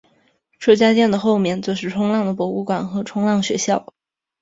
这家店的后面则是冲浪的博物馆和冲浪学校。